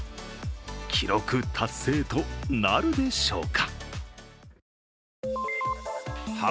記録達成となるでしょうか。